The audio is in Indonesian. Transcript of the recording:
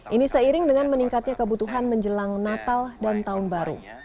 ini seiring dengan meningkatnya kebutuhan menjelang natal dan tahun baru